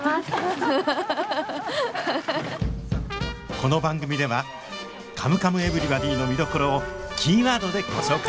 この番組では「カムカムエヴリバディ」の見どころをキーワードでご紹介